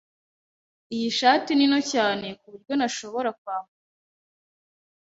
Iyi shati ni nto cyane kuburyo ntashobora kwambara.